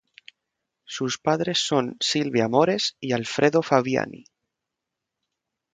Sus padres son Silvia Mores y Alfredo Fabbiani.